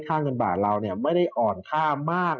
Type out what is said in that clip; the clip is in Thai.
ค่าเงินบาทเราไม่ได้อ่อนค่ามาก